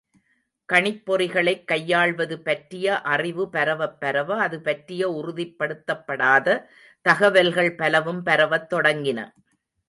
கணிப்பொறிகளைக் கையாள்வது பற்றிய அறிவு பரவப் பரவ, அது பற்றிய உறுதிப்படுத்தப்படாத தகவல்கள் பலவும் பரவத் தொடங்கின.